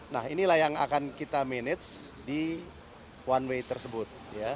nah inilah yang akan kita manage di one way tersebut